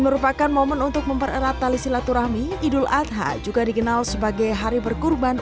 merupakan momen untuk mempererat tali silaturahmi idul adha juga dikenal sebagai hari berkurban